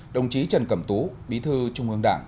đồng chí trần cẩm tú bí thư trung ương đảng